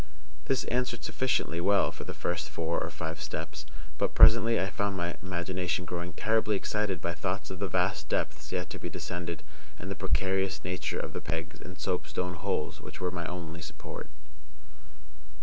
This answered sufficiently well for the first four or five steps; but presently I found my imagination growing terribly excited by thoughts of the vast depths yet to be descended, and the precarious nature of the pegs and soapstone holes which were my only support.